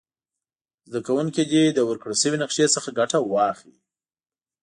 زده کوونکي دې د ورکړ شوې نقشي څخه ګټه واخلي.